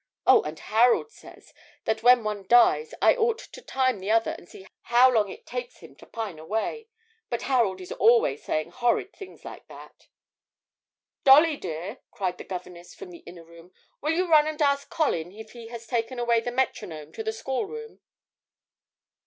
Oh, and Harold says that when one dies I ought to time the other and see how long it takes him to pine away; but Harold is always saying horrid things like that.' 'Dolly dear,' cried the governess from the inner room, 'will you run and ask Colin if he has taken away the metronome to the schoolroom?'